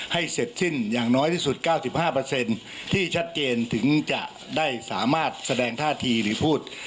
เสร็จสิ้นอย่างน้อยที่สุด๙๕ที่ชัดเจนถึงจะได้สามารถแสดงท่าทีหรือพูด